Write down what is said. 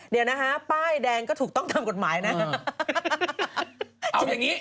เดี๋ยวนะคะป้ายแดงก็ถูกต้องตามกฎหมายเนี่ย